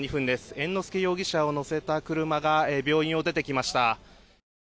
猿之助容疑者を乗せた車が病院を出てきました。